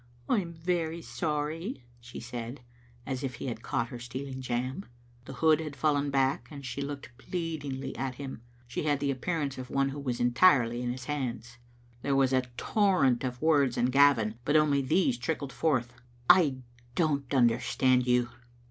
" I am very sorry," she said, as if he had caught her stealing jam. The hood had fallen back, and she looked pleadingly at him. She had the ajipearance of one who was entirely in his hands. There was a torrent of words in GaviUj but only these trickled forth —" I don't understand you."